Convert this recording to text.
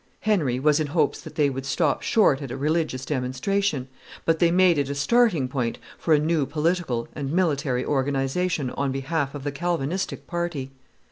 Henry was in hopes that they would stop short at a religious demonstration; but they made it a starting point for a new political and military organization on behalf of the Calvinistic party.